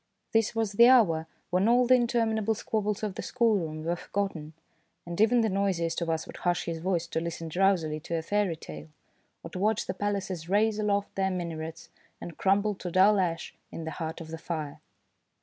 This was the hour when all the interminable squabbles of the schoolroom were forgotten, and even the noisiest of us would hush his voice to listen drowsily to a fairy tale, or to watch the palaces raise aloft their minarets, and crumble to dull red ash in the heart of the fire.